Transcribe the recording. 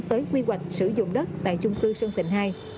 tới quy hoạch sử dụng đất tại chung cư sơn thịnh hai